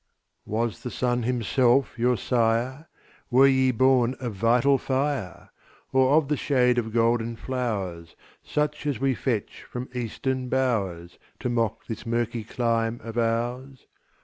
Was the sun himself your sire? Were ye born of vital fire? Or of the shade of golden flowers, Such as we fetch from Eastern bowers, To mock this murky clime of ours?